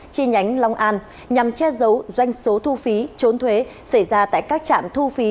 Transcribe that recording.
chi nhánh long an nhằm che giấu doanh số thu phí trốn thuế xảy ra tại các trạm thu phí